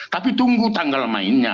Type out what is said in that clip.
tapi tunggu tanggal mainnya